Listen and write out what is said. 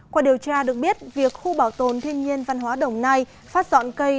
qua điều tra được biết việc khu bảo tồn thiên nhiên văn hóa đồng nai phát dọn cây